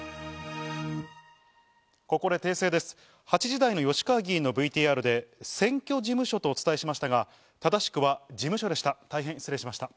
８時台の吉川議員のＶＴＲで選挙事務所とお伝えしましたが、正しくは事務所でした。